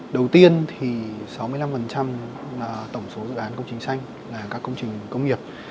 đầu tiên thì sáu mươi năm tổng số dự án công trình xanh là các công trình công nghiệp